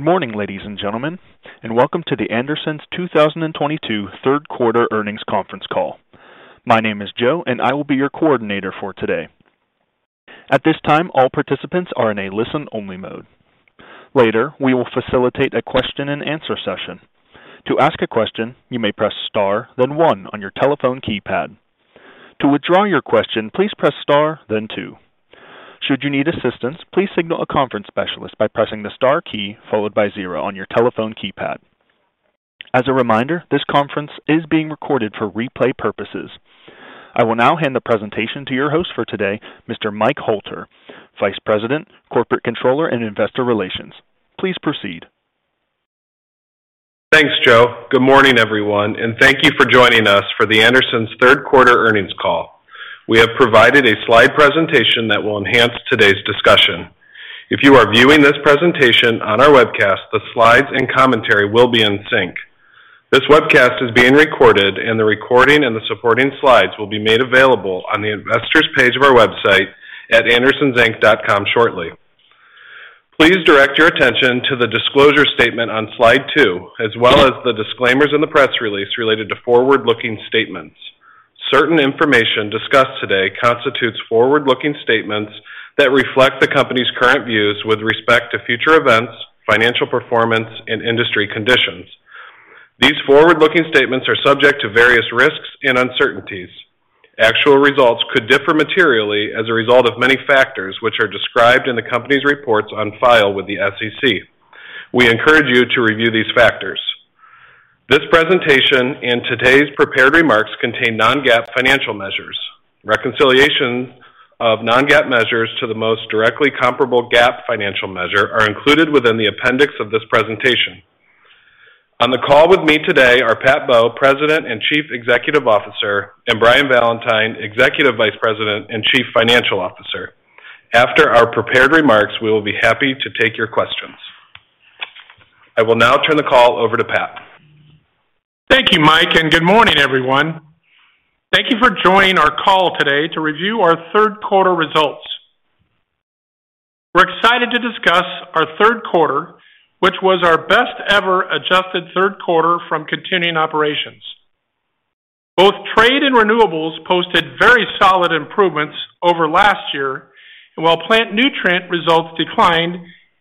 Good morning, ladies and gentlemen, and welcome to The Andersons 2022 third quarter earnings conference call. My name is Joe, and I will be your coordinator for today. At this time, all participants are in a listen-only mode. Later, we will facilitate a question-and-answer session. To ask a question, you may press Star, then one on your telephone keypad. To withdraw your question, please press Star, then two. Should you need assistance, please signal a conference specialist by pressing the Star key followed by zero on your telephone keypad. As a reminder, this conference is being recorded for replay purposes. I will now hand the presentation to your host for today, Mr. Mike Hoelter, Vice President, Corporate Controller and Investor Relations. Please proceed. Thanks, Joe. Good morning, everyone, and thank you for joining us for The Andersons third quarter earnings call. We have provided a slide presentation that will enhance today's discussion. If you are viewing this presentation on our webcast, the slides and commentary will be in sync. This webcast is being recorded, and the recording and the supporting slides will be made available on the investors page of our website at andersonsinc.com shortly. Please direct your attention to the disclosure statement on slide two, as well as the disclaimers in the press release related to forward-looking statements. Certain information discussed today constitutes forward-looking statements that reflect the company's current views with respect to future events, financial performance, and industry conditions. These forward-looking statements are subject to various risks and uncertainties. Actual results could differ materially as a result of many factors, which are described in the company's reports on file with the SEC. We encourage you to review these factors. This presentation and today's prepared remarks contain non-GAAP financial measures. Reconciliation of non-GAAP measures to the most directly comparable GAAP financial measure are included within the appendix of this presentation. On the call with me today are Pat Bowe, President and Chief Executive Officer, and Brian Valentine, Executive Vice President and Chief Financial Officer. After our prepared remarks, we will be happy to take your questions. I will now turn the call over to Pat. Thank you, Mike, and good morning, everyone. Thank you for joining our call today to review our third quarter results. We're excited to discuss our third quarter, which was our best ever adjusted third quarter from continuing operations. Both Trade and Renewables posted very solid improvements over last year. While Plant Nutrient results declined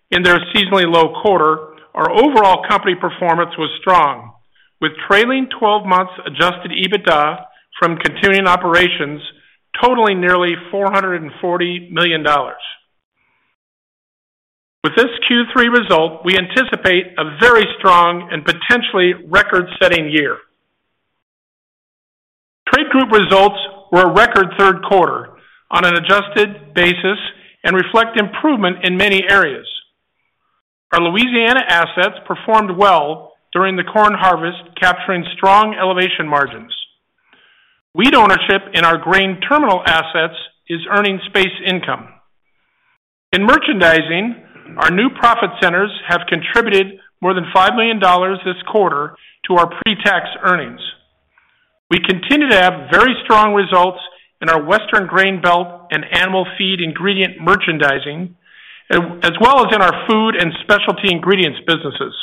in their seasonally low quarter, our overall company performance was strong, with trailing twelve months adjusted EBITDA from continuing operations totaling nearly $440 million. With this Q3 result, we anticipate a very strong and potentially record-setting year. Trade group results were a record third quarter on an adjusted basis and reflect improvement in many areas. Our Louisiana assets performed well during the corn harvest, capturing strong elevation margins. Wheat ownership in our grain terminal assets is earning space income. In merchandising, our new profit centers have contributed more than $5 million this quarter to our pre-tax earnings. We continue to have very strong results in our Western grain belt and animal feed ingredient merchandising, as well as in our food and specialty ingredients businesses.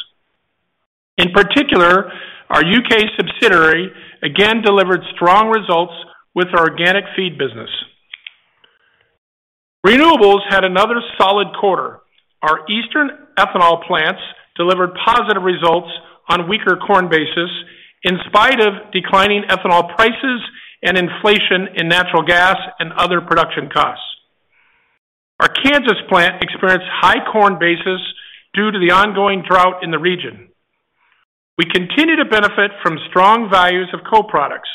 In particular, our U.K. subsidiary again delivered strong results with our organic feed business. Renewables had another solid quarter. Our eastern ethanol plants delivered positive results on weaker corn basis in spite of declining ethanol prices and inflation in natural gas and other production costs. Our Kansas plant experienced high corn basis due to the ongoing drought in the region. We continue to benefit from strong values of co-products,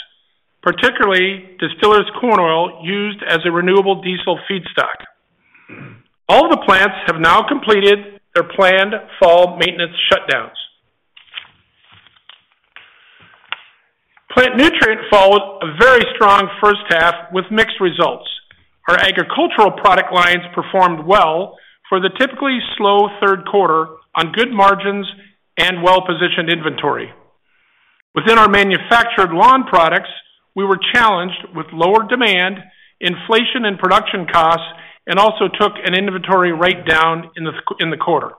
particularly distillers corn oil used as a renewable diesel feedstock. All the plants have now completed their planned fall maintenance shutdowns. Plant Nutrient followed a very strong first half with mixed results. Our agricultural product lines performed well for the typically slow third quarter on good margins and well-positioned inventory. Within our manufactured lawn products, we were challenged with lower demand, inflation in production costs, and also took an inventory write-down in the quarter.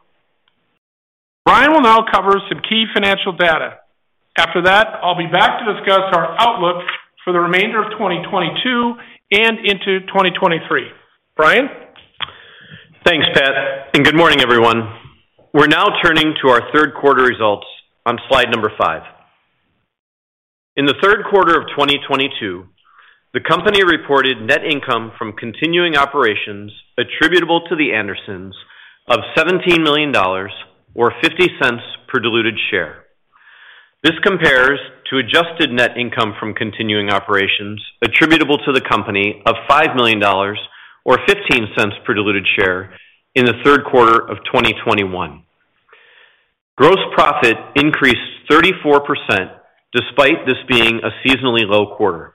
Brian will now cover some key financial data. After that, I'll be back to discuss our outlook for the remainder of 2022 and into 2023. Brian? Thanks, Pat, and good morning, everyone. We're now turning to our third quarter results on slide number five. In the third quarter of 2022, the company reported net income from continuing operations attributable to The Andersons of $17 million or $0.50 per diluted share. This compares to adjusted net income from continuing operations attributable to the company of $5 million or $0.15 per diluted share in the third quarter of 2021. Gross profit increased 34% despite this being a seasonally low quarter.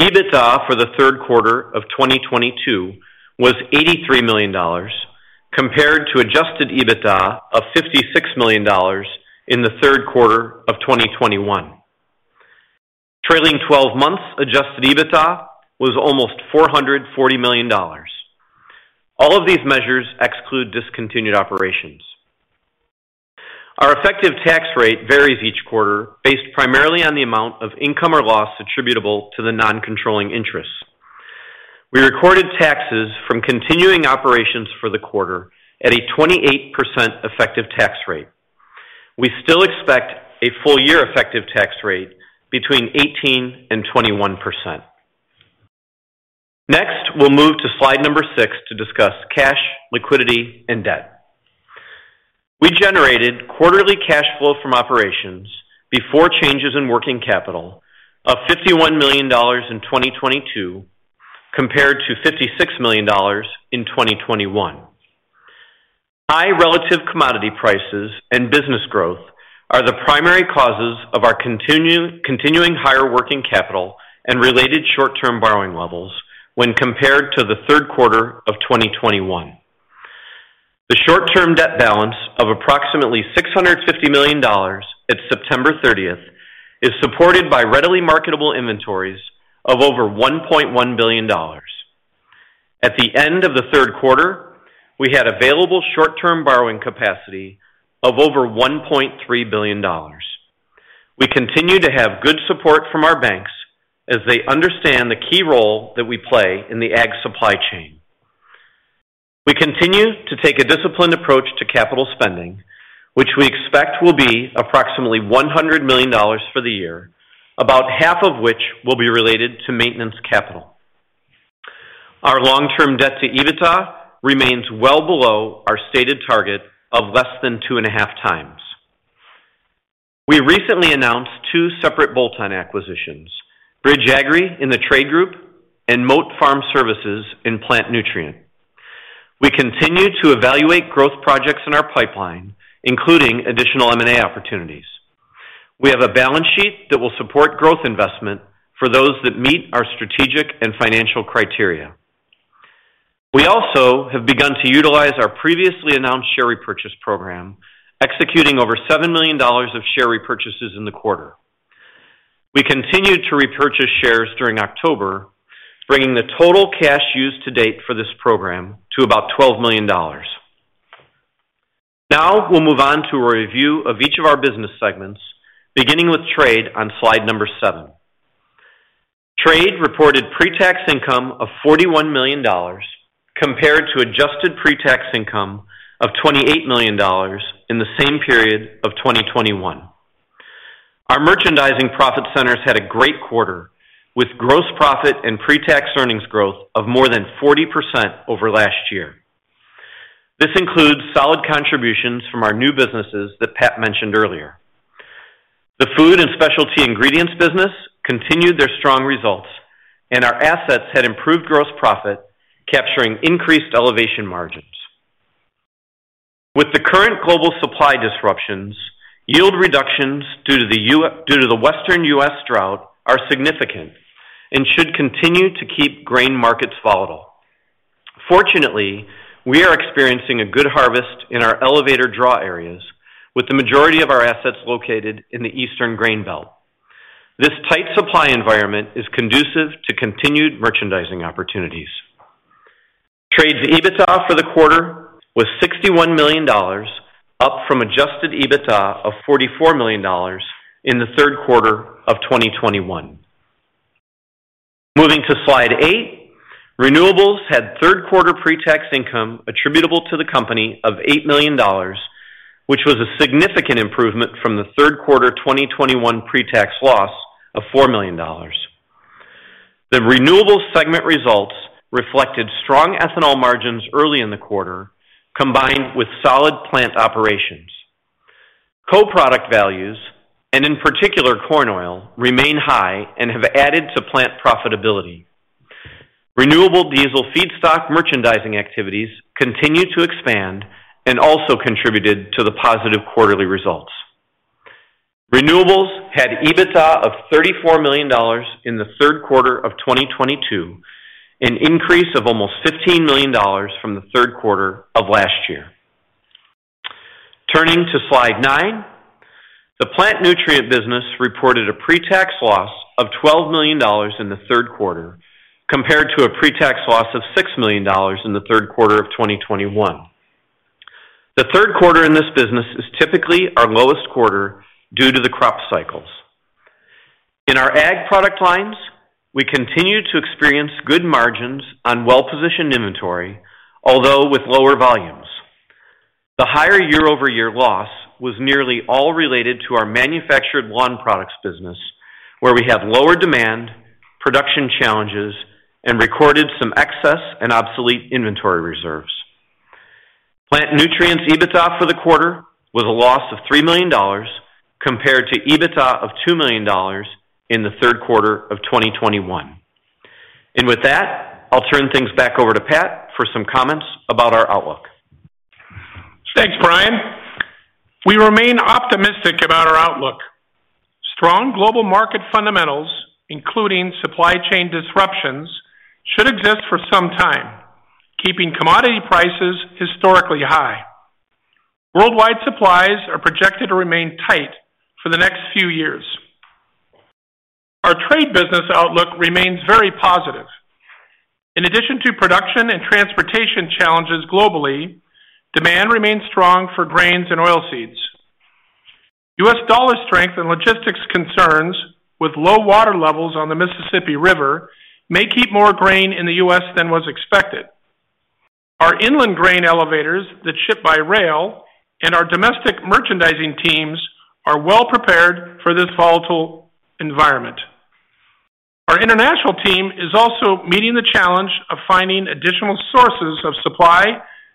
EBITDA for the third quarter of 2022 was $83 million compared to adjusted EBITDA of $56 million in the third quarter of 2021. Trailing 12 months adjusted EBITDA was almost $440 million. All of these measures exclude discontinued operations. Our effective tax rate varies each quarter based primarily on the amount of income or loss attributable to the non-controlling interests. We recorded taxes from continuing operations for the quarter at a 28% effective tax rate. We still expect a full year effective tax rate between 18% and 21%. Next, we'll move to slide number six to discuss cash, liquidity and debt. We generated quarterly cash flow from operations before changes in working capital of $51 million in 2022 compared to $56 million in 2021. High relative commodity prices and business growth are the primary causes of our continuing higher working capital and related short-term borrowing levels when compared to the third quarter of 2021. The short-term debt balance of approximately $650 million at September 30th is supported by readily marketable inventories of over $1.1 billion. At the end of the third quarter, we had available short-term borrowing capacity of over $1.3 billion. We continue to have good support from our banks as they understand the key role that we play in the ag supply chain. We continue to take a disciplined approach to capital spending, which we expect will be approximately $100 million for the year, about half of which will be related to maintenance capital. Our long-term debt to EBITDA remains well below our stated target of less than 2.5x. We recently announced two separate bolt-on acquisitions, Bridge Agri in the trade group and Mote Farm Service in Plant Nutrient. We continue to evaluate growth projects in our pipeline, including additional M&A opportunities. We have a balance sheet that will support growth investment for those that meet our strategic and financial criteria. We also have begun to utilize our previously announced share repurchase program, executing over $7 million of share repurchases in the quarter. We continued to repurchase shares during October, bringing the total cash used to date for this program to about $12 million. Now we'll move on to a review of each of our business segments, beginning with Trade on slide seven. Trade reported pre-tax income of $41 million compared to adjusted pre-tax income of $28 million in the same period of 2021. Our merchandising profit centers had a great quarter, with gross profit and pre-tax earnings growth of more than 40% over last year. This includes solid contributions from our new businesses that Pat mentioned earlier. The food and specialty ingredients business continued their strong results, and our assets had improved gross profit, capturing increased elevator margins. With the current global supply disruptions, yield reductions due to the Western U.S. drought are significant and should continue to keep grain markets volatile. Fortunately, we are experiencing a good harvest in our elevator draw areas with the majority of our assets located in the Eastern Grain Belt. This tight supply environment is conducive to continued merchandising opportunities. Trade's EBITDA for the quarter was $61 million, up from adjusted EBITDA of $44 million in the third quarter of 2021. Moving to slide eight. Renewables had third quarter pre-tax income attributable to the company of $8 million, which was a significant improvement from the third quarter 2021 pre-tax loss of $4 million. The Renewables segment results reflected strong ethanol margins early in the quarter, combined with solid plant operations. Co-product values, and in particular, corn oil, remain high and have added to plant profitability. Renewable diesel feedstock merchandising activities continue to expand and also contributed to the positive quarterly results. Renewables had EBITDA of $34 million in the third quarter of 2022, an increase of almost $15 million from the third quarter of last year. Turning to slide nine. The Plant Nutrient business reported a pre-tax loss of $12 million in the third quarter, compared to a pre-tax loss of $6 million in the third quarter of 2021. The third quarter in this business is typically our lowest quarter due to the crop cycles. In our ag product lines, we continue to experience good margins on well-positioned inventory, although with lower volumes. The higher year-over-year loss was nearly all related to our manufactured lawn products business, where we have lower demand, production challenges and recorded some excess and obsolete inventory reserves. Plant Nutrients EBITDA for the quarter was a loss of $3 million compared to EBITDA of $2 million in the third quarter of 2021. With that, I'll turn things back over to Pat for some comments about our outlook. Thanks, Brian. We remain optimistic about our outlook. Strong global market fundamentals, including supply chain disruptions, should exist for some time, keeping commodity prices historically high. Worldwide supplies are projected to remain tight for the next few years. Our trade business outlook remains very positive. In addition to production and transportation challenges globally, demand remains strong for grains and oilseeds. $ dollar strength and logistics concerns with low water levels on the Mississippi River may keep more grain in the U.S. than was expected. Our inland grain elevators that ship by rail and our domestic merchandising teams are well prepared for this volatile environment. Our international team is also meeting the challenge of finding additional sources of supply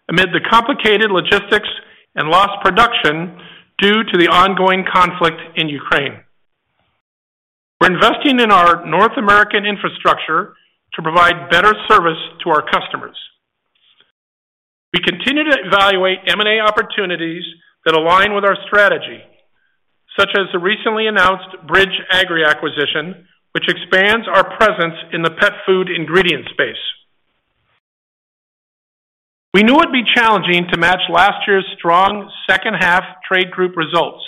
amid the complicated logistics and lost production due to the ongoing conflict in Ukraine. We're investing in our North American infrastructure to provide better service to our customers. We continue to evaluate M&A opportunities that align with our strategy, such as the recently announced Bridge Agri Partners acquisition, which expands our presence in the pet food ingredient space. We knew it'd be challenging to match last year's strong second half trade group results.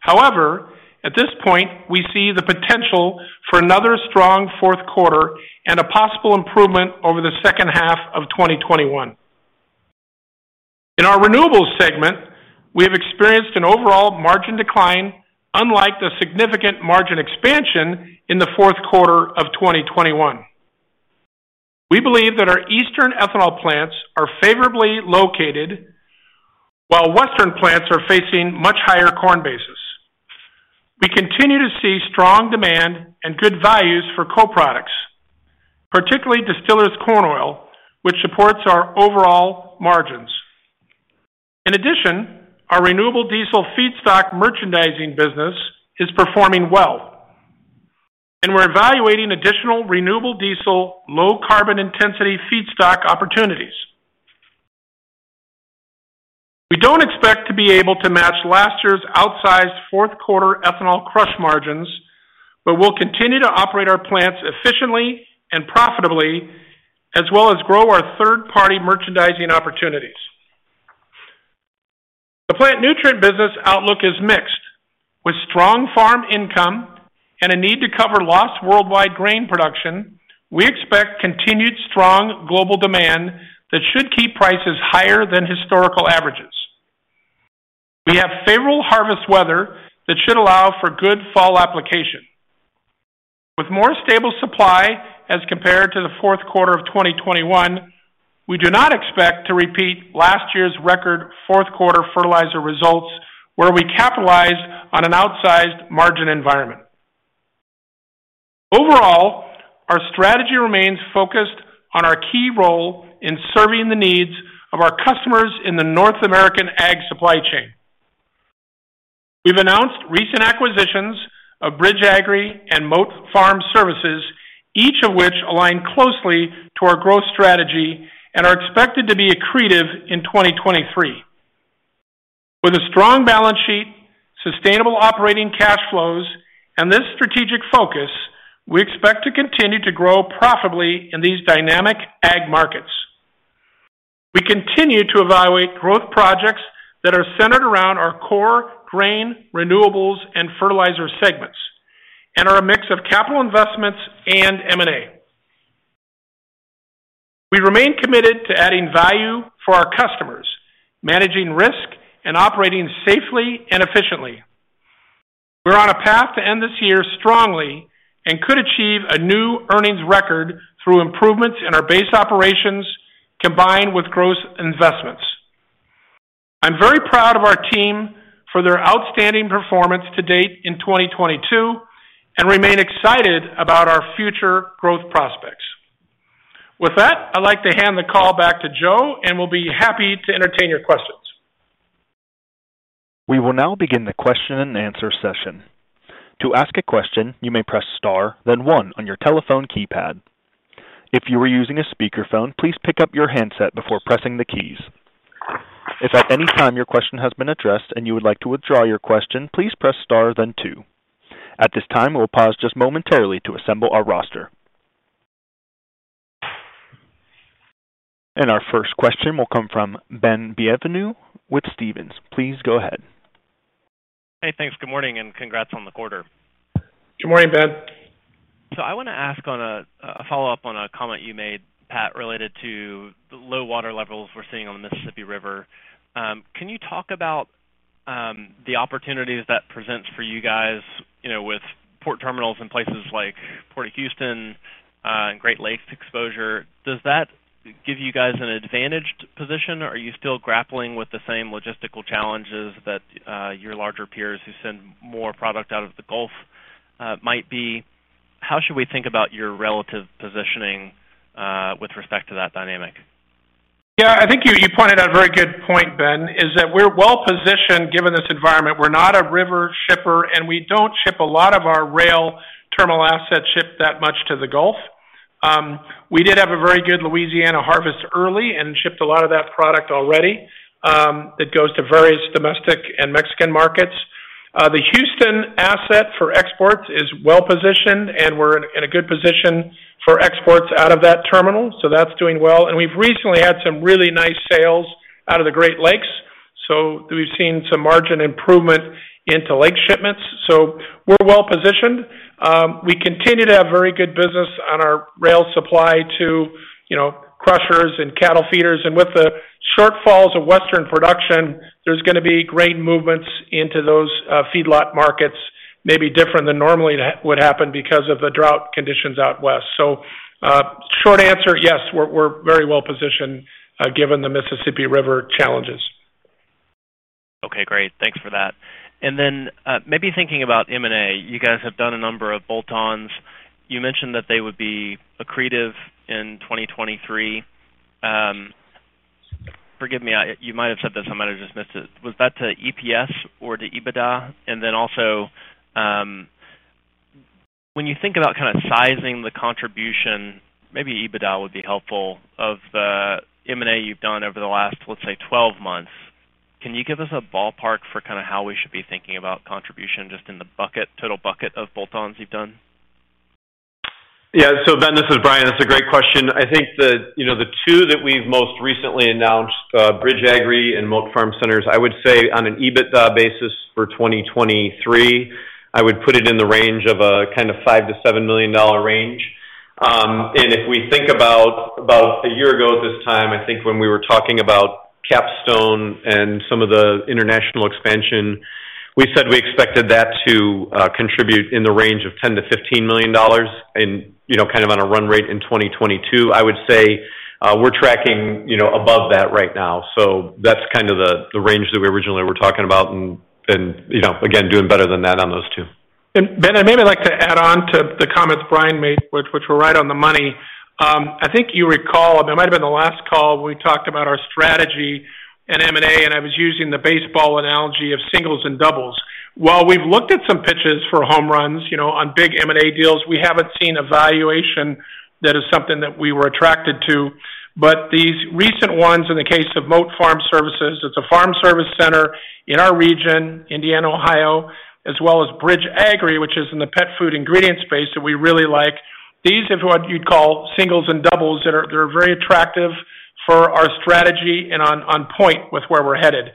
However, at this point, we see the potential for another strong fourth quarter and a possible improvement over the second half of 2021. In our renewables segment, we have experienced an overall margin decline, unlike the significant margin expansion in the fourth quarter of 2021. We believe that our eastern ethanol plants are favorably located, while western plants are facing much higher corn bases. We continue to see strong demand and good values for co-products, particularly distillers corn oil, which supports our overall margins. In addition, our renewable diesel feedstock merchandising business is performing well, and we're evaluating additional renewable diesel, low carbon intensity feedstock opportunities. We don't expect to be able to match last year's outsized fourth quarter ethanol crush margins, but we'll continue to operate our plants efficiently and profitably, as well as grow our third-party merchandising opportunities. The plant nutrient business outlook is mixed. With strong farm income and a need to cover lost worldwide grain production, we expect continued strong global demand that should keep prices higher than historical averages. We have favorable harvest weather that should allow for good fall application. With more stable supply as compared to the fourth quarter of 2021, we do not expect to repeat last year's record fourth-quarter fertilizer results, where we capitalized on an outsized margin environment. Overall, our strategy remains focused on our key role in serving the needs of our customers in the North American ag supply chain. We've announced recent acquisitions of Bridge Agri and Mote Farm Service, each of which align closely to our growth strategy and are expected to be accretive in 2023. With a strong balance sheet, sustainable operating cash flows, and this strategic focus, we expect to continue to grow profitably in these dynamic ag markets. We continue to evaluate growth projects that are centered around our core grain, renewables, and fertilizer segments and are a mix of capital investments and M&A. We remain committed to adding value for our customers, managing risk, and operating safely and efficiently. We're on a path to end this year strongly and could achieve a new earnings record through improvements in our base operations combined with growth investments. I'm very proud of our team for their outstanding performance to date in 2022 and remain excited about our future growth prospects. With that, I'd like to hand the call back to Joe, and we'll be happy to entertain your questions. We will now begin the question and answer session. To ask a question, you may press star, then one on your telephone keypad. If you are using a speakerphone, please pick up your handset before pressing the keys. If at any time your question has been addressed and you would like to withdraw your question, please press star then two. At this time, we'll pause just momentarily to assemble our roster. Our first question will come from Ben Bienvenu with Stephens. Please go ahead. Hey, thanks. Good morning and congrats on the quarter. Good morning, Ben. I wanna ask on a follow-up on a comment you made, Pat, related to the low water levels we're seeing on the Mississippi River. Can you talk about the opportunities that presents for you guys, you know, with port terminals in places like Port of Houston, and Great Lakes exposure? Does that give you guys an advantaged position? Are you still grappling with the same logistical challenges that your larger peers who send more product out of the Gulf might be? How should we think about your relative positioning with respect to that dynamic? Yeah, I think you pointed out a very good point, Ben, is that we're well positioned given this environment. We're not a river shipper, and we don't ship a lot of our rail terminal assets. We ship that much to the Gulf. We did have a very good Louisiana harvest early and shipped a lot of that product already. It goes to various domestic and Mexican markets. The Houston asset for exports is well positioned, and we're in a good position for exports out of that terminal, so that's doing well. We've recently had some really nice sales out of the Great Lakes, so we've seen some margin improvement into lake shipments. We're well positioned. We continue to have very good business on our rail supply to, you know, crushers and cattle feeders. With the shortfalls of Western production, there's gonna be great movements into those, feedlot markets, maybe different than normally that would happen because of the drought conditions out west. Short answer, yes, we're very well positioned, given the Mississippi River challenges. Okay, great. Thanks for that. Maybe thinking about M&A, you guys have done a number of bolt-ons. You mentioned that they would be accretive in 2023. Forgive me, you might have said this, I might have just missed it. Was that to EPS or to EBITDA? When you think about kind of sizing the contribution, maybe EBITDA would be helpful, of the M&A you've done over the last, let's say, 12 months. Can you give us a ballpark for kind of how we should be thinking about contribution just in the bucket, total bucket of bolt-ons you've done? Yeah. Ben, this is Brian. That's a great question. I think you know the two that we've most recently announced, Bridge Agri and Mote Farm Service, I would say on an EBITDA basis for 2023, I would put it in the range of a kind of $5 million-$7 million range. If we think about a year ago at this time, I think when we were talking about Capstone and some of the international expansion, we said we expected that to contribute in the range of $10 million-$15 million in you know kind of on a run rate in 2022. I would say we're tracking you know above that right now. That's kind of the range that we originally were talking about, and you know again doing better than that on those two. Ben, I maybe like to add on to the comments Brian made, which were right on the money. I think you recall, it might have been the last call, we talked about our strategy in M&A, and I was using the baseball analogy of singles and doubles. While we've looked at some pitches for home runs, you know, on big M&A deals, we haven't seen a valuation that is something that we were attracted to. These recent ones, in the case of Mote Farm Service, it's a farm service center in our region, Indiana, Ohio, as well as Bridge Agri, which is in the pet food ingredient space that we really like. These are what you'd call singles and doubles that are, they're very attractive for our strategy and on point with where we're headed.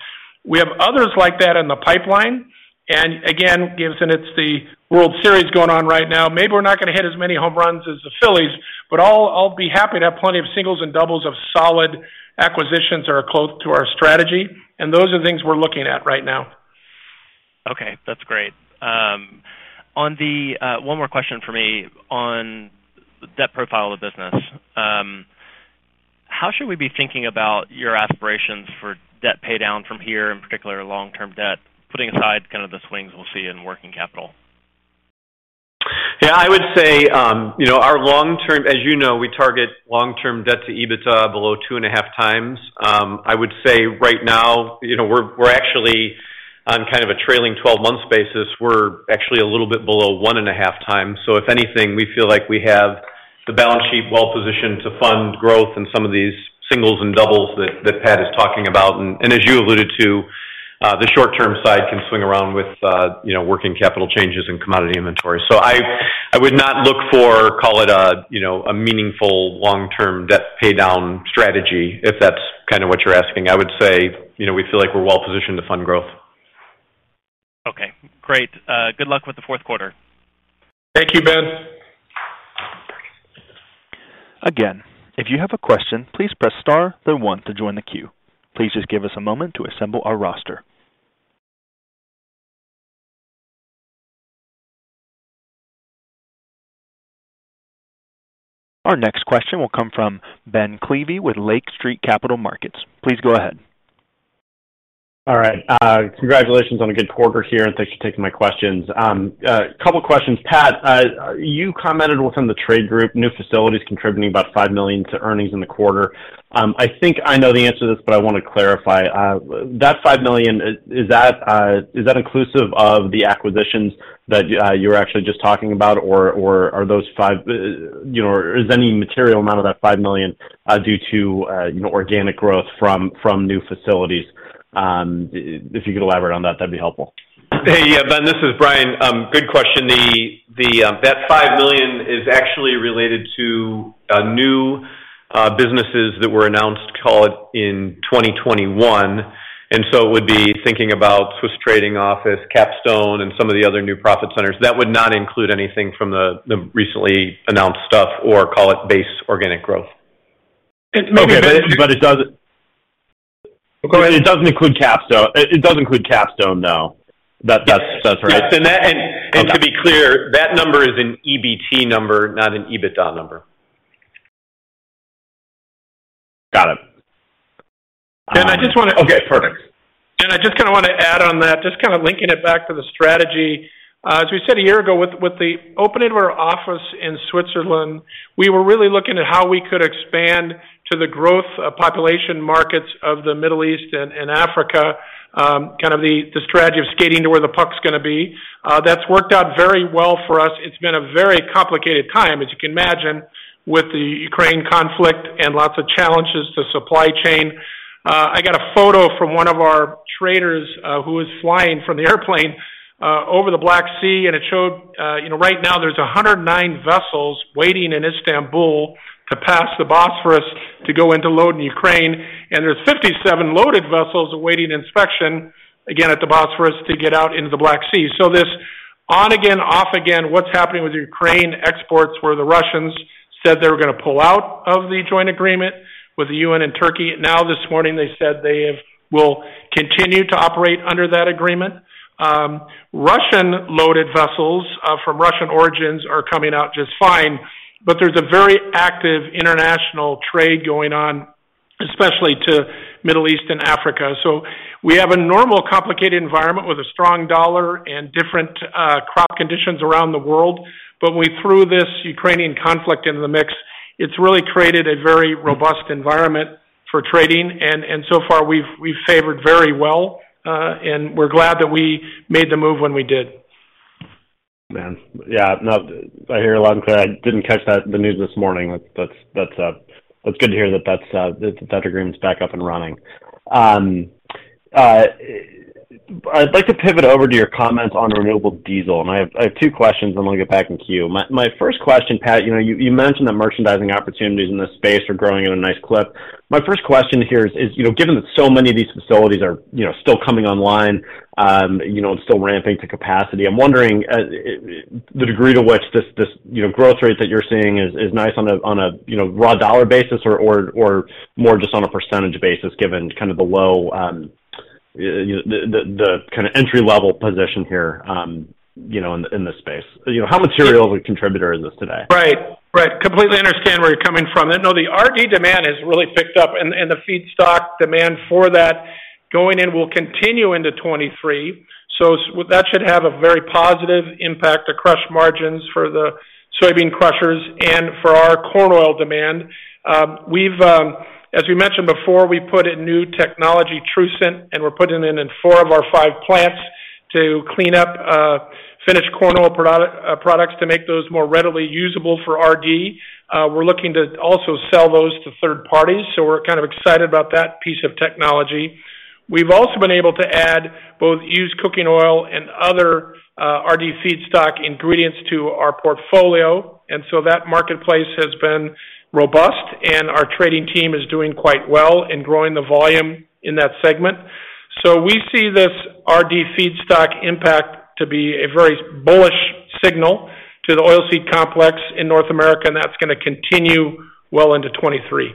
We have others like that in the pipeline. Again, given it's the World Series going on right now, maybe we're not gonna hit as many home runs as the Phillies, but I'll be happy to have plenty of singles and doubles of solid acquisitions that are close to our strategy. Those are things we're looking at right now. Okay, that's great. On the one more question for me on debt profile of the business. How should we be thinking about your aspirations for debt pay down from here, in particular, long-term debt, putting aside kind of the swings we'll see in working capital? Yeah, I would say, you know, our long-term. As you know, we target long-term debt to EBITDA below 2.5x. I would say right now, you know, we're actually on kind of a trailing 12 months basis, we're actually a little bit below 1.5x. If anything, we feel like we have the balance sheet well-positioned to fund growth in some of these singles and doubles that Pat is talking about. As you alluded to, the short-term side can swing around with, you know, working capital changes and commodity inventory. I would not look for, call it a, you know, a meaningful long-term debt pay down strategy, if that's kind of what you're asking. I would say, you know, we feel like we're well-positioned to fund growth. Okay, great. Good luck with the fourth quarter. Thank you, Ben. Again, if you have a question, please press Star then one to join the queue. Please just give us a moment to assemble our roster. Our next question will come from Ben Klieve with Lake Street Capital Markets. Please go ahead. All right. Congratulations on a good quarter here, and thanks for taking my questions. A couple of questions. Pat, you commented within the trade group, new facilities contributing about $5 million to earnings in the quarter. I think I know the answer to this, but I want to clarify. That $5 million, is that inclusive of the acquisitions that you're actually just talking about or are those five. You know, is any material amount of that $5 million due to you know, organic growth from new facilities? If you could elaborate on that'd be helpful. Hey, Ben, this is Brian. Good question. That $5 million is actually related to new businesses that were announced, call it, in 2021. It would be thinking about Swiss trading office, Capstone, and some of the other new profit centers. That would not include anything from the recently announced stuff or call it base organic growth. Okay. Go ahead. It doesn't include Capstone. It does include Capstone, though? That's right. Yes. To be clear, that number is an EBT number, not an EBITDA number. Got it. I just wanna. Okay, perfect. I just kinda wanna add on that, just kinda linking it back to the strategy. As we said a year ago with the opening of our office in Switzerland, we were really looking at how we could expand to the growth of population markets of the Middle East and Africa, kind of the strategy of skating to where the puck is gonna be. That's worked out very well for us. It's been a very complicated time, as you can imagine, with the Ukraine conflict and lots of challenges to supply chain. I got a photo from one of our traders, who was flying from the airplane over the Black Sea, and it showed, you know, right now there's 109 vessels waiting in Istanbul to pass the Bosphorus to go into load in Ukraine. There's 57 loaded vessels awaiting inspection, again, at the Bosphorus to get out into the Black Sea. This on-again, off-again, what's happening with Ukraine exports, where the Russians said they were gonna pull out of the joint agreement with the UN and Turkey. Now, this morning, they said they will continue to operate under that agreement. Russian-loaded vessels from Russian origins are coming out just fine, but there's a very active international trade going on, especially to Middle East and Africa. We have a normal, complicated environment with a strong dollar and different crop conditions around the world. We threw this Ukrainian conflict into the mix. It's really created a very robust environment for trading. So far, we've fared very well, and we're glad that we made the move when we did. Yeah. No, I hear you loud and clear. I didn't catch that, the news this morning. That's good to hear that that agreement's back up and running. I'd like to pivot over to your comments on renewable diesel, and I have two questions, and then I'll get back in queue. My first question, Pat, you know, you mentioned that merchandising opportunities in this space are growing at a nice clip. My first question here is, you know, given that so many of these facilities are, you know, still coming online, you know, and still ramping to capacity, I'm wondering the degree to which this, you know, growth rates that you're seeing is nice on a, you know, raw dollar basis or more just on a percentage basis given kind of the low, you know, the kind of entry-level position here, you know, in the, in this space. You know, how material of a contributor is this today? Right. Completely understand where you're coming from. No, the RD demand has really picked up and the feedstock demand for that going in will continue into 2023. That should have a very positive impact to crush margins for the soybean crushers and for our corn oil demand. We've, as we mentioned before, we put in new technology, TruCent, and we're putting it in four of our five plants to clean up finished corn oil products to make those more readily usable for RD. We're looking to also sell those to third parties, so we're kind of excited about that piece of technology. We've also been able to add both used cooking oil and other, RD feedstock ingredients to our portfolio, and so that marketplace has been robust, and our trading team is doing quite well in growing the volume in that segment. We see this RD feedstock impact to be a very bullish signal to the oilseed complex in North America, and that's gonna continue well into 2023.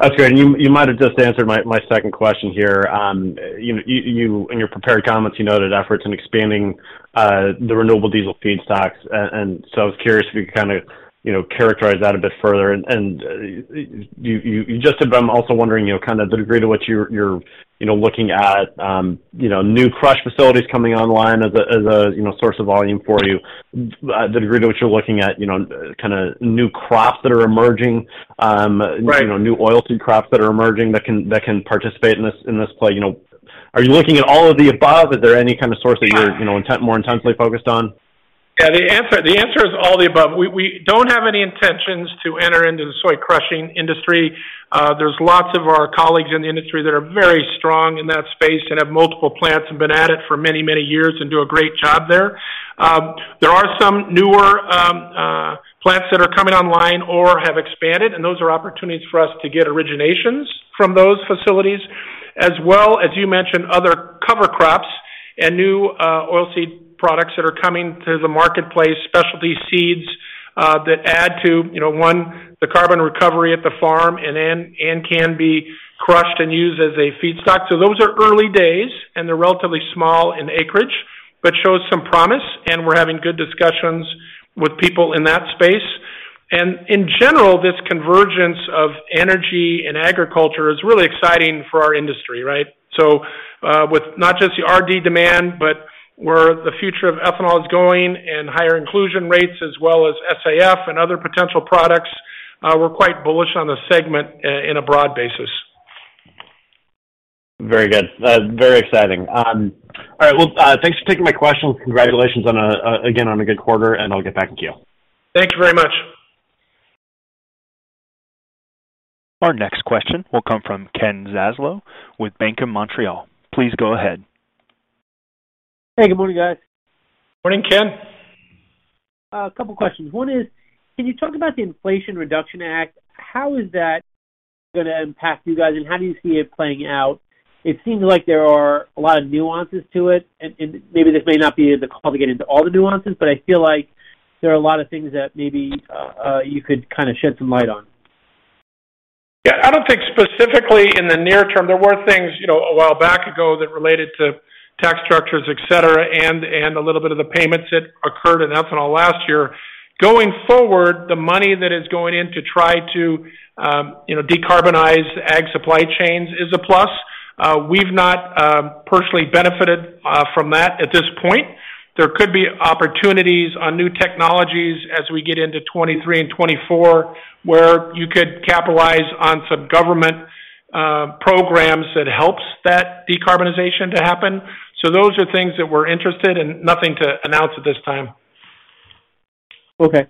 That's great. You might have just answered my second question here. You in your prepared comments, you noted efforts in expanding the renewable diesel feedstocks. I was curious if you could kind of, you know, characterize that a bit further. I just had been also wondering, you know, kind of the degree to which you're you know looking at new crush facilities coming online as a you know source of volume for you the degree to which you're looking at you know kind of new crops that are emerging. Right. You know, new oil seed crops that are emerging that can participate in this play. You know, are you looking at all of the above? Is there any kind of source that you're, you know, more intensely focused on? Yeah. The answer is all of the above. We don't have any intentions to enter into the soy crushing industry. There's lots of our colleagues in the industry that are very strong in that space and have multiple plants and been at it for many, many years and do a great job there. There are some newer plants that are coming online or have expanded, and those are opportunities for us to get originations from those facilities. As well, as you mentioned, other cover crops and new oilseed products that are coming to the marketplace, specialty seeds that add to, you know, the carbon recovery at the farm and then can be crushed and used as a feedstock. Those are early days, and they're relatively small in acreage, but shows some promise, and we're having good discussions with people in that space. In general, this convergence of energy and agriculture is really exciting for our industry, right? With not just the RD demand, but where the future of ethanol is going and higher inclusion rates as well as SAF and other potential products, we're quite bullish on the segment in a broad basis. Very good. Very exciting. All right. Well, thanks for taking my questions. Congratulations again on a good quarter, and I'll get back in queue. Thank you very much. Our next question will come from Ken Zaslow with BMO Capital Markets. Please go ahead. Hey, good morning, guys. Morning, Ken. A couple questions. One is, can you talk about the Inflation Reduction Act? How is that gonna impact you guys, and how do you see it playing out? It seems like there are a lot of nuances to it, and maybe this may not be the call to get into all the nuances, but I feel like there are a lot of things that maybe you could kind of shed some light on. Yeah. I don't think specifically in the near term. There were things, you know, a while back ago that related to tax structures, et cetera, and a little bit of the payments that occurred in ethanol last year. Going forward, the money that is going in to try to, you know, decarbonize ag supply chains is a plus. We've not personally benefited from that at this point. There could be opportunities on new technologies as we get into 2023 and 2024, where you could capitalize on some government programs that helps that decarbonization to happen. Those are things that we're interested in. Nothing to announce at this time. Okay.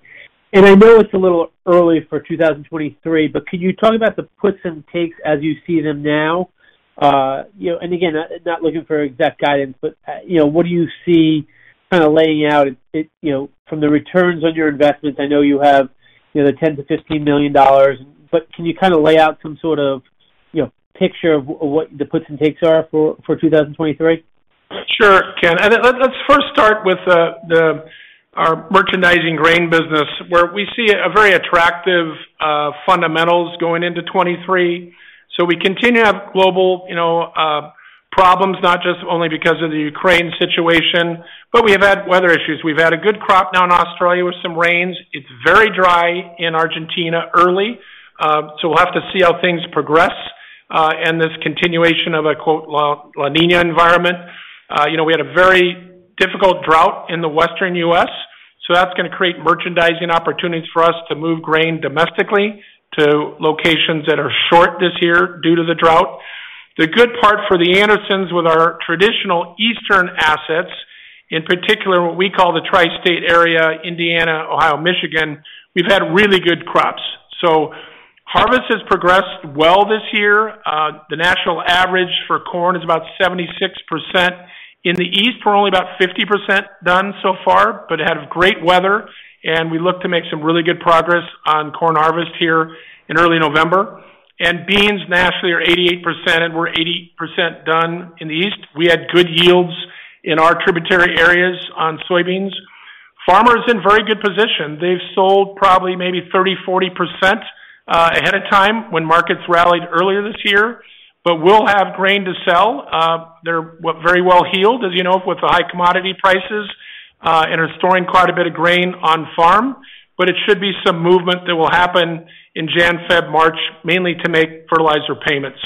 I know it's a little early for 2023, but could you talk about the puts and takes as you see them now? You know, and again, not looking for exact guidance, but, you know, what do you see kinda laying out, it, you know, from the returns on your investments? I know you have, you know, the $10 million-$15 million, but can you kind of lay out some sort of, you know, picture of what the puts and takes are for 2023? Sure, Ken, let's first start with our merchandising grain business, where we see a very attractive fundamentals going into 2023. We continue to have global, you know, problems, not just only because of the Ukraine situation, but we have had weather issues. We've had a good crop now in Australia with some rains. It's very dry in Argentina early. We'll have to see how things progress, and this continuation of a “La Niña environment.” You know, we had a very difficult drought in the Western U.S., so that's gonna create merchandising opportunities for us to move grain domestically to locations that are short this year due to the drought. The good part for The Andersons with our traditional eastern assets, in particular, what we call the tri-state area, Indiana, Ohio, Michigan, we've had really good crops. Harvest has progressed well this year. The national average for corn is about 76%. In the east, we're only about 50% done so far, but had great weather, and we look to make some really good progress on corn harvest here in early November. Beans nationally are 88% and we're 80% done in the east. We had good yields in our tributary areas on soybeans. Farmers in very good position. They've sold probably maybe 30%, 40%, ahead of time when markets rallied earlier this year. We'll have grain to sell. They're very well-heeled, as you know, with the high commodity prices, and are storing quite a bit of grain on farm. It should be some movement that will happen in January, February, March, mainly to make fertilizer payments.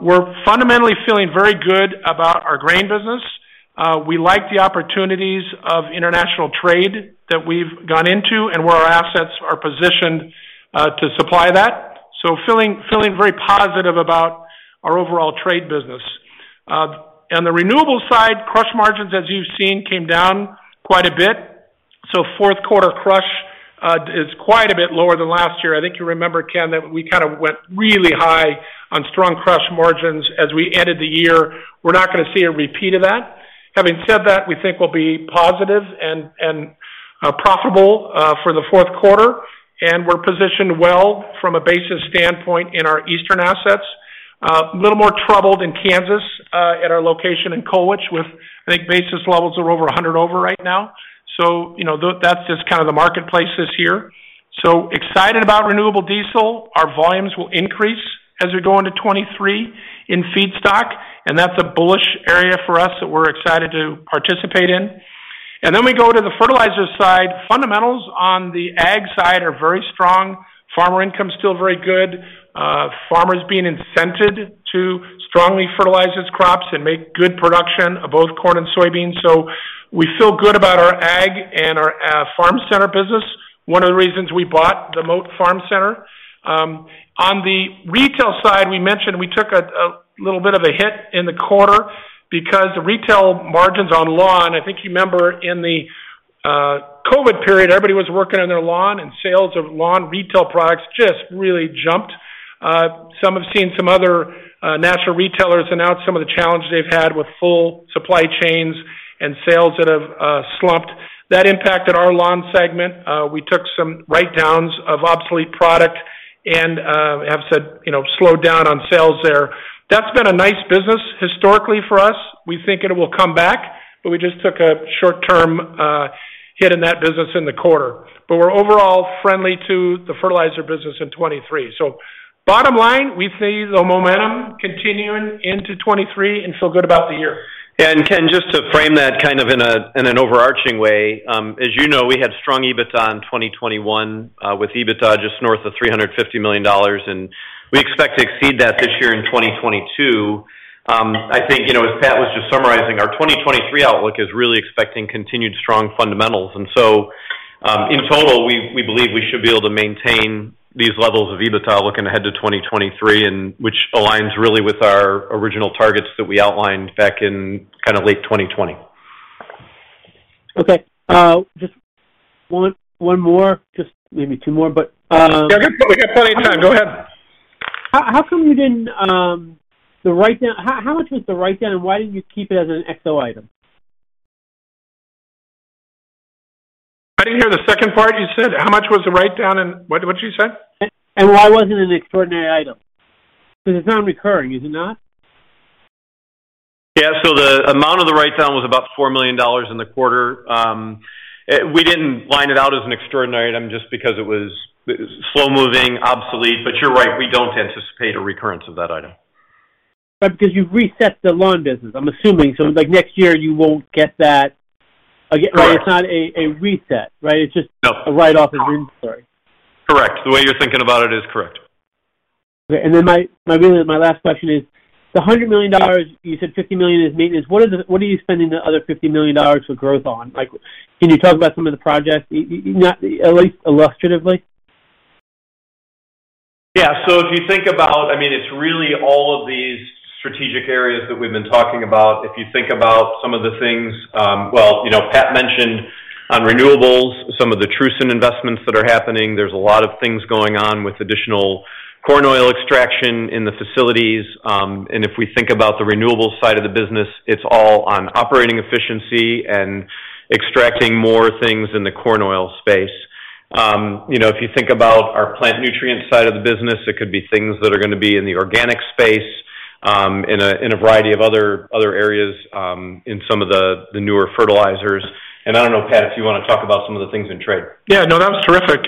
We're fundamentally feeling very good about our grain business. We like the opportunities of international trade that we've gone into and where our assets are positioned to supply that. Feeling very positive about our overall trade business. On the renewable side, crush margins, as you've seen, came down quite a bit. Fourth quarter crush is quite a bit lower than last year. I think you remember, Ken, that we kind of went really high on strong crush margins as we ended the year. We're not gonna see a repeat of that. Having said that, we think we'll be positive and profitable for the fourth quarter, and we're positioned well from a basis standpoint in our eastern assets. A little more troubled in Kansas, at our location in Colwich with, I think, basis levels are over 100 over right now. So, you know, that's just kind of the marketplace this year. So excited about renewable diesel. Our volumes will increase as we go into 2023 in feedstock, and that's a bullish area for us that we're excited to participate in. Then we go to the fertilizer side. Fundamentals on the ag side are very strong. Farmer income is still very good. Farmers being incentivized to strongly fertilize its crops and make good production of both corn and soybeans. So we feel good about our ag and our farm center business, one of the reasons we bought the Mote Farm Service. On the retail side, we mentioned we took a little bit of a hit in the quarter because the retail margins on lawn. I think you remember in the COVID period, everybody was working on their lawn and sales of lawn retail products just really jumped. Some have seen other national retailers announce some of the challenges they've had with full supply chains and sales that have slumped. That impacted our lawn segment. We took some write-downs of obsolete product and have said, you know, slowed down on sales there. That's been a nice business historically for us. We think it will come back, but we just took a short-term hit in that business in the quarter. We're overall friendly to the fertilizer business in 2023. Bottom line, we see the momentum continuing into 2023 and feel good about the year. Yeah. Ken, just to frame that kind of in an overarching way, as you know, we had strong EBIT in 2021, with EBIT just north of $350 million, and we expect to exceed that this year in 2022. I think, you know, as Pat was just summarizing, our 2023 outlook is really expecting continued strong fundamentals. In total, we believe we should be able to maintain these levels of EBIT looking ahead to 2023, which aligns really with our original targets that we outlined back in kind of late 2020. Okay. Just one more. Just maybe two more, but We got plenty of time. Go ahead. How much was the write-down, and why didn't you keep it as an XO item? I didn't hear the second part you said. How much was the write-down and what did you say? Why wasn't it an extraordinary item? Because it's non-recurring, is it not? The amount of the write-down was about $4 million in the quarter. We didn't line it out as an extraordinary item just because it was slow-moving, obsolete. You're right, we don't anticipate a recurrence of that item. Right. Because you've reset the lawn business, I'm assuming. Like, next year, you won't get that. Or it's not a reset, right? No. It's just a write-off as inventory. Correct. The way you're thinking about it is correct. Okay. My really last question is, the $100 million, you said $50 million is maintenance. What are you spending the other $50 million for growth on? Like, can you talk about some of the projects, at least illustratively? Yeah. If you think about, I mean, it's really all of these strategic areas that we've been talking about. If you think about some of the things, well, you know, Pat mentioned on renewables, some of the TruCent investments that are happening. There's a lot of things going on with additional corn oil extraction in the facilities. If we think about the renewable side of the business, it's all on operating efficiency and extracting more things in the corn oil space. You know, if you think about our plant nutrient side of the business, it could be things that are gonna be in the organic space, in a variety of other areas, in some of the newer fertilizers. I don't know, Pat, if you wanna talk about some of the things in trade. Yeah, no, that was terrific.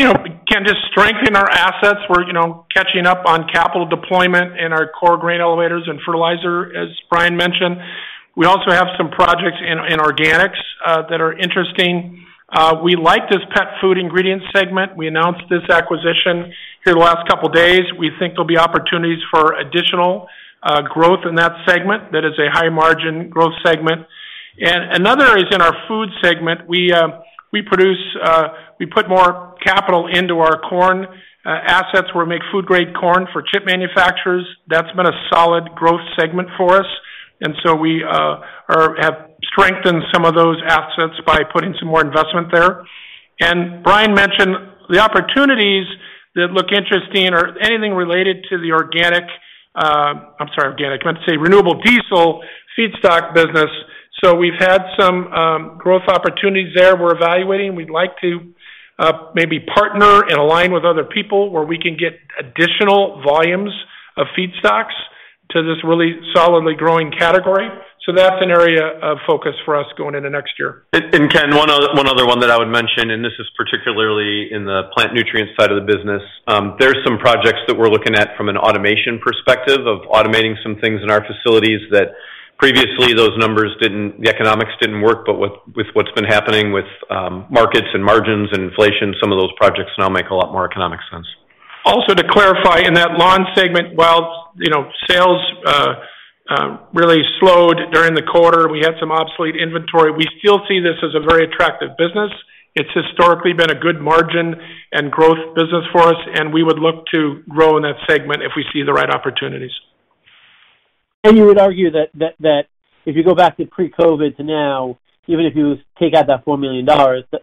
You know, Ken, just strengthening our assets. We're, you know, catching up on capital deployment in our core grain elevators and fertilizer, as Brian mentioned. We also have some projects in organics that are interesting. We like this pet food ingredient segment. We announced this acquisition here the last couple days. We think there'll be opportunities for additional growth in that segment. That is a high margin growth segment. Another is in our food segment. We put more capital into our corn assets, where we make food grade corn for chip manufacturers. That's been a solid growth segment for us. We have strengthened some of those assets by putting some more investment there. Brian mentioned the opportunities that look interesting are anything related to the organic. I'm sorry. I meant to say renewable diesel feedstock business. We've had some growth opportunities there we're evaluating. We'd like to maybe partner and align with other people where we can get additional volumes of feedstocks to this really solidly growing category. That's an area of focus for us going into next year. Ken, one other one that I would mention, and this is particularly in the plant nutrient side of the business. There's some projects that we're looking at from an automation perspective of automating some things in our facilities that previously the economics didn't work. With what's been happening with markets and margins and inflation, some of those projects now make a lot more economic sense. Also to clarify, in that lawn segment, while, you know, sales really slowed during the quarter and we had some obsolete inventory, we still see this as a very attractive business. It's historically been a good margin and growth business for us, and we would look to grow in that segment if we see the right opportunities. You would argue that if you go back to pre-COVID to now, even if you take out that $4 million,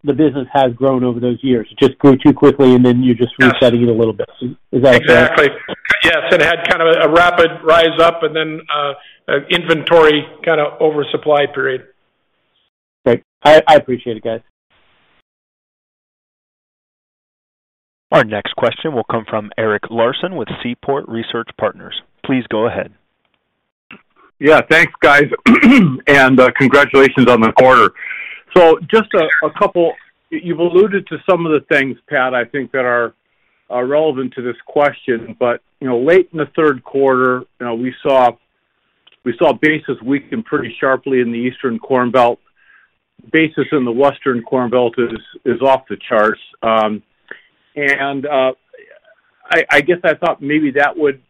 the business has grown over those years. It just grew too quickly, and then you're just resetting it a little bit. Is that fair? Exactly. Yes, it had kind of a rapid rise up and then, inventory kind of oversupply period. Great. I appreciate it, guys. Our next question will come from Eric Larson with Seaport Research Partners. Please go ahead. Yeah, thanks, guys, and congratulations on the quarter. Just a couple. You've alluded to some of the things, Pat, I think that are relevant to this question. You know, late in the third quarter, we saw basis weaken pretty sharply in the Eastern Corn Belt. Basis in the Western Corn Belt is off the charts. I guess I thought maybe that would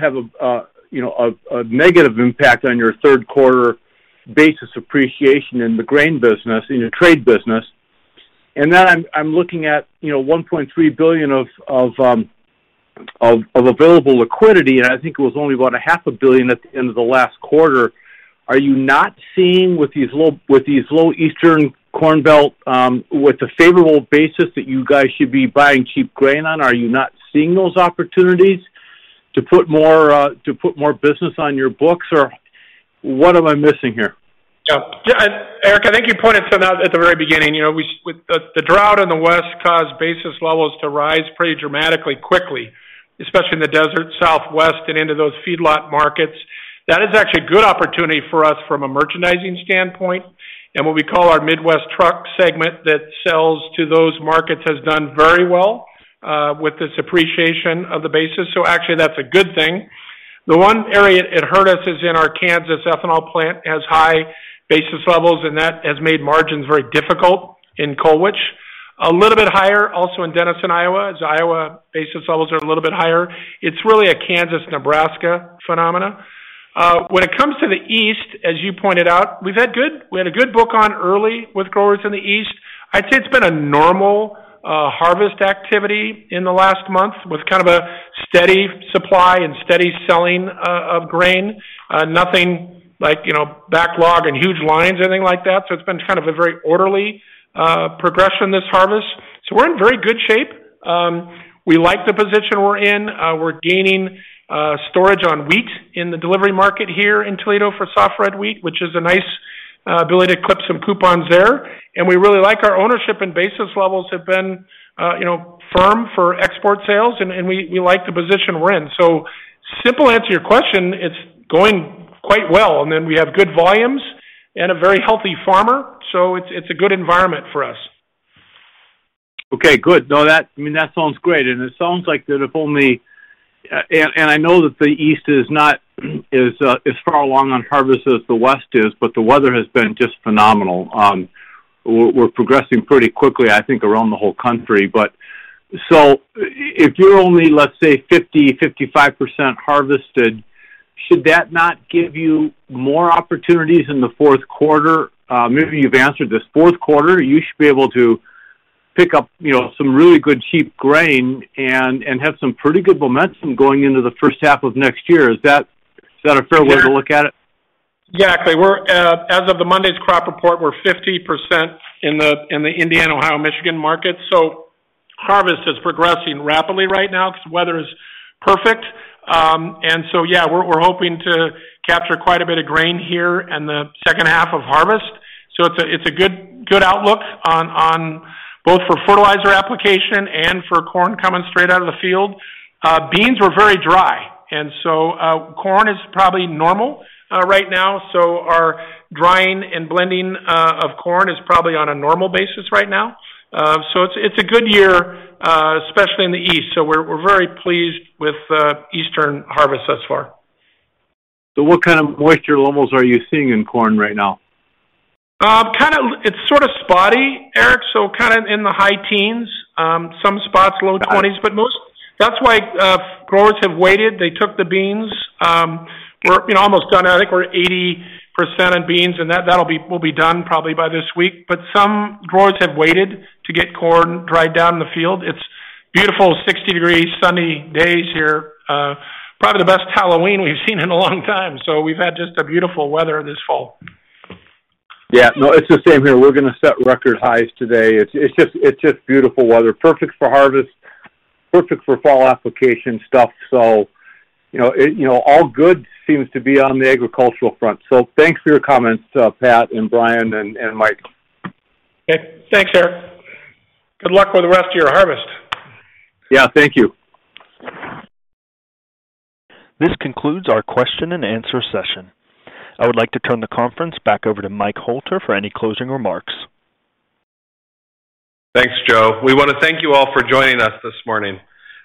have a, you know, a negative impact on your third quarter basis appreciation in the grain business, in your trade business. Then I'm looking at, you know, $1.3 billion of available liquidity, and I think it was only about a half a billion at the end of the last quarter. Are you not seeing with these low Eastern Corn Belt with the favorable basis that you guys should be buying cheap grain on? Are you not seeing those opportunities to put more business on your books, or what am I missing here? Yeah. Eric, I think you pointed some out at the very beginning. You know, the drought in the West caused basis levels to rise pretty dramatically quickly, especially in the desert Southwest and into those feedlot markets. That is actually a good opportunity for us from a merchandising standpoint. What we call our Midwest truck segment that sells to those markets has done very well with this appreciation of the basis. Actually that's a good thing. The one area it hurt us is in our Kansas ethanol plant has high basis levels, and that has made margins very difficult in Colwich. A little bit higher also in Denison, Iowa, as Iowa basis levels are a little bit higher. It's really a Kansas, Nebraska phenomena. When it comes to the East, as you pointed out, we've had a good book on early with growers in the East. I'd say it's been a normal harvest activity in the last month with kind of a steady supply and steady selling of grain. Nothing like, you know, backlog and huge lines or anything like that. It's been kind of a very orderly progression this harvest. We're in very good shape. We like the position we're in. We're gaining storage on wheat in the delivery market here in Toledo for soft red wheat, which is a nice ability to clip some coupons there. We really like our ownership and basis levels have been, you know, firm for export sales and we like the position we're in. Simple answer to your question, it's going quite well. Then we have good volumes and a very healthy farmer. It's a good environment for us. Okay, good. No, I mean, that sounds great. It sounds like that if only and I know that the East is not as far along on harvest as the West is, but the weather has been just phenomenal. We're progressing pretty quickly, I think, around the whole country. If you're only, let's say, 50%, 55% harvested, should that not give you more opportunities in the fourth quarter? Maybe you've answered this. Fourth quarter, you should be able to pick up, you know, some really good cheap grain and have some pretty good momentum going into the first half of next year. Is that a fair way to look at it? Yeah. Exactly. We're as of Monday's crop report 50% in the Indiana, Ohio, Michigan market. Harvest is progressing rapidly right now because weather is perfect. We're hoping to capture quite a bit of grain here in the second half of harvest. It's a good outlook on both for fertilizer application and for corn coming straight out of the field. Beans were very dry and corn is probably normal right now. Our drying and blending of corn is probably on a normal basis right now. It's a good year especially in the east. We're very pleased with eastern harvest thus far. What kind of moisture levels are you seeing in corn right now? It's sort of spotty, Eric, so kind of in the high teens, some spots low twenties. Most that's why growers have waited. They took the beans. We're, you know, almost done. I think we're 80% on beans and that'll be done probably by this week. Some growers have waited to get corn dried down in the field. It's beautiful, 60 degrees, sunny days here. Probably the best Halloween we've seen in a long time. We've had just a beautiful weather this fall. Yeah. No, it's the same here. We're gonna set record highs today. It's just beautiful weather. Perfect for harvest, perfect for fall application stuff. You know, all good seems to be on the agricultural front. Thanks for your comments, Pat and Brian and Mike. Okay. Thanks, Eric. Good luck with the rest of your harvest. Yeah. Thank you. This concludes our question and answer session. I would like to turn the conference back over to Mike Hoelter for any closing remarks. Thanks, Joe. We wanna thank you all for joining us this morning.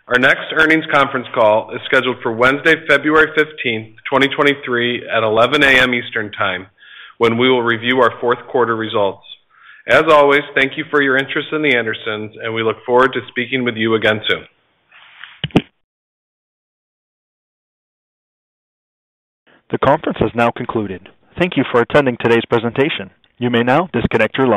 Our next earnings conference call is scheduled for Wednesday, February 15th, 2023 at 11:00 A.M. Eastern Time, when we will review our fourth quarter results. As always, thank you for your interest in The Andersons, and we look forward to speaking with you again soon. The conference has now concluded. Thank you for attending today's presentation. You may now disconnect your line.